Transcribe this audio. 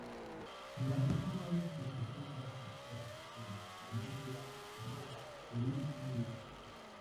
Durante cuatro años presentó nuevas óperas en Venecia, Roma, Turín y Milán.